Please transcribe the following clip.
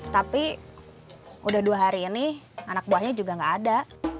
tapi udah dua hari ini anak buahnya juga gak ada